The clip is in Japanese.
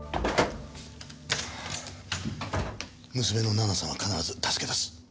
娘の奈々さんは必ず助け出す。